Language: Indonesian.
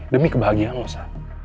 demi kebahagiaan lo sah